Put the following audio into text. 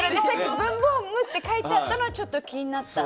文房具って書いてあったのはちょっと気になった。